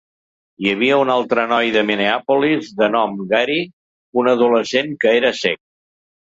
Hi havia un altre noi de Minneapolis de nom Gary, un adolescent que era cec.